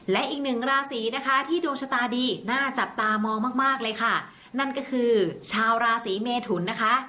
และอีกหนึ่งราศีนะคะที่ดวงชะตาดีน่าจับตามองมากมากเลยค่ะนั่นก็คือชาวราศีเมทุนนะคะ